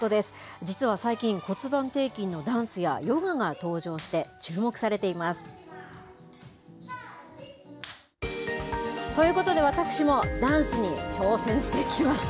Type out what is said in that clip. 実は最近、骨盤底筋のダンスやヨガが登場して、注目されています。ということで、私もダンスに挑戦してきました。